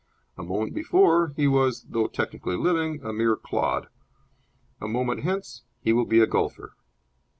A moment before, he was, though technically living, a mere clod. A moment hence he will be a golfer.